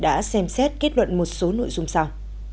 đã xem xét kết luận một số nội dung sau